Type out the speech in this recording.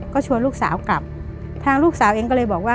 ก็ชวนลูกสาวกลับทางลูกสาวเองก็เลยบอกว่า